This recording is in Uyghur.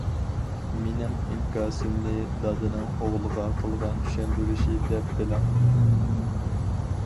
مېنىڭ ئىنكاسىمنى دادىنىڭ ئوغلىغا قىلغان چۈشەندۈرۈشى دەپ بىلىڭ!